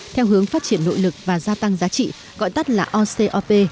theo hướng phát triển nội lực và gia tăng giá trị gọi tắt là ocop